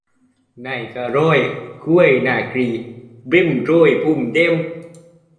Ngày trôi qua ngày đêm trôi qua đêm